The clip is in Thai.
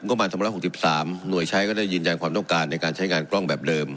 ก็มาสมรรถหกสิบสามหน่วยใช้ก็ได้ยืนยังความต้องการในการใช้งานกล้องแบบเดิม